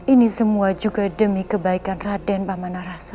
ini semua juga demi kebaikan raden bamanarasa